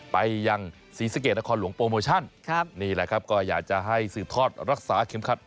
ไปยังศรีสะเกดนครหลวงโปรโมชั่นครับนี่แหละครับก็อยากจะให้สืบทอดรักษาเข็มขัด